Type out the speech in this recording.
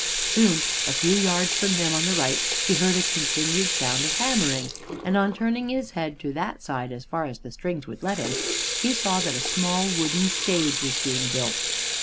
Soon, a few yards from him, on the right, he heard a continued sound of hammering, and on turning his head to that side as far as the strings would let him, he saw that a small wooden stage was being built.